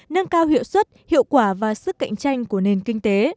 nâng cao hiệu suất hiệu quả và sức cạnh tranh của nền kinh tế